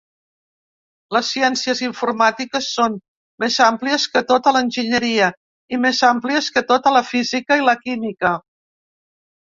Les ciències informàtiques són més àmplies que tota l'enginyeria, i més àmplies que tota la física i la química.